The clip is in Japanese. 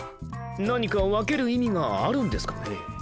何か分ける意味があるんですかね？